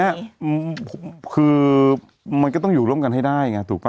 แต่ทีนี้คือมันก็ต้องอยู่ร่วมกันให้ได้ไงถูกปะ